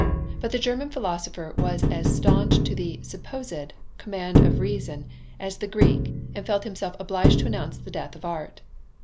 But the German philosopher was as staunch to the (supposed) command of reason as the Greek, and felt himself obliged to announce the death of art.